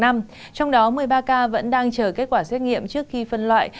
trong đó một mươi ba ca vẫn đang chờ kết quả xét nghiệm trước khi phân loại